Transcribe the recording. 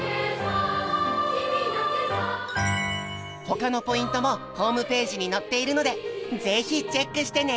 他のポイントもホームページに載っているので是非チェックしてね！